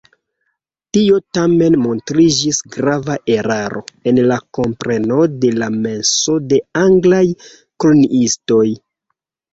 Tio tamen montriĝis grava eraro en la kompreno de la menso de anglaj koloniistoj.